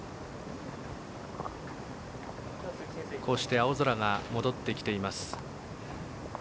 こうして青空が戻ってきています。